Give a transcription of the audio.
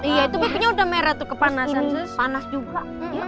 iya itu udah merah kepanasan panas juga